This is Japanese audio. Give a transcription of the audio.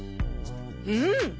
うん。